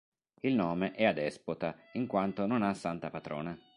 Il nome è adespota, in quanto non ha santa patrona.